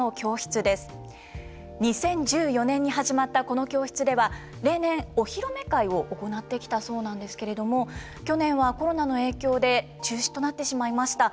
２０１４年に始まったこの教室では例年お披露目会を行ってきたそうなんですけれども去年はコロナの影響で中止となってしまいました。